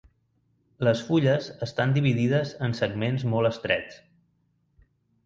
Les fulles estan dividides en segments molt estrets.